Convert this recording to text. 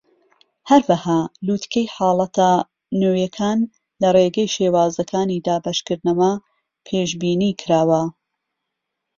هەروەها، لووتکەی حاڵەتە نوێیەکان لە ڕێگەی شێوازەکانی دابەشکردنەوە پێشبینیکراوە.